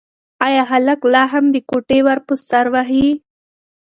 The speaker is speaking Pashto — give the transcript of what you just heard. ایا هلک لا هم د کوټې ور په سر وهي؟